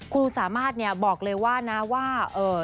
ครูสามารถบอกเลยว่านะว่า